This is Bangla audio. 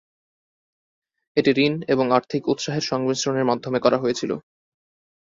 এটি ঋণ এবং আর্থিক উৎসাহের সংমিশ্রণের মাধ্যমে করা হয়েছিল।